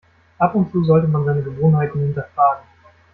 Ab und zu sollte man seine Gewohnheiten hinterfragen.